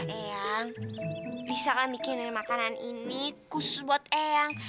eyang lisa gak mikirin makanan ini khusus buat eyang